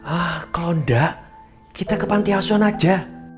ah klonda kita ke pantiasuan aja